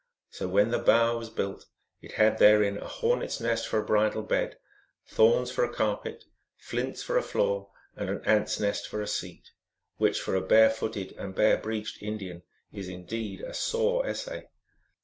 So when the bower was built it had therein a hornet s nest for a bridal bed, thorns for a carpet, flints for a floor, and an ant s nest for a seat, which for a bare footed and bare breeched Indian is indeed a sore essay.